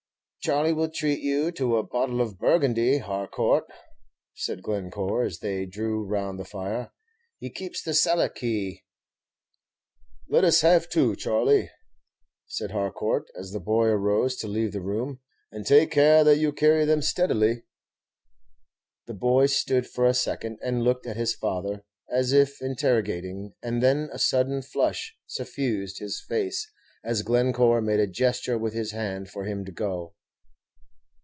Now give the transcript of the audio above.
"Charley will treat you to a bottle of Burgundy, Har court," said Glencore, as they drew round the fire; "he keeps the cellar key." "Let us have two, Charley," said Harcourt, as the boy arose to leave the room, "and take care that you carry them steadily." The boy stood for a second and looked at his father, as if interrogating, and then a sudden flush suffused his face as Glencore made a gesture with his hand for him to go.